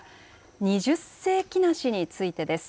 二十世紀梨についてです。